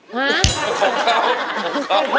ฮะของเขา